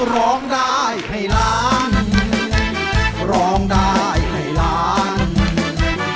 ร้องได้ให้ล้าง